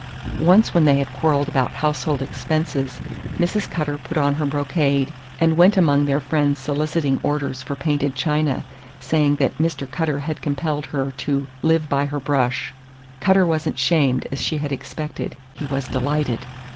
Once when they had quarreled about household expenses, Mrs. Cutter put on her brocade and went among their friends soliciting orders for painted china, saying that Mr. Cutter had compelled her "to live by her brush." Cutter was n't shamed as she had expected; he was delighted!